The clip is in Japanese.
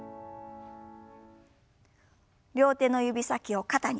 両手の指先を肩に。